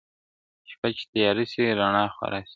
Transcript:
شپه چي تياره سي ،رڼا خوره سي.